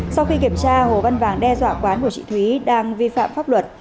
sau khi kiểm tra hồ văn vàng đe dọa quán của chị thúy đang vi phạm pháp luật